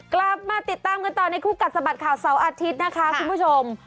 กลับมาติดตามกันต่อในคู่กัดสะบัดข่าวเสาร์อาทิตย์นะคะคุณผู้ชม